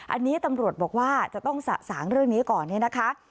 อันนี้ตำรวจบอกว่าจะต้องสะสางเรื่องนี้ก่อนเนี่ยนะคะ